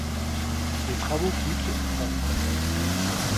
Les travaux coûtent francs.